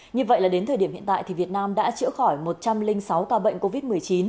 như vậy là đến thời điểm hiện tại thì việt nam đã chữa khỏi một trăm linh sáu ca bệnh covid một mươi chín